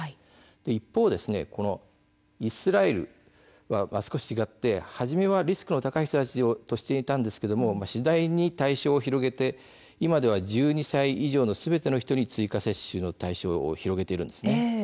一方、イスラエルは少し違って初めはリスクが高い人たちを対象としていたんですが次第に対象を広げて今では１２歳以上のすべての人に追加接種の対象を広げています。